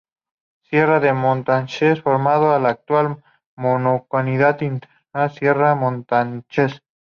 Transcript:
Sierra de Montánchez", formando la actual "Mancomunidad Integral Sierra de Montánchez".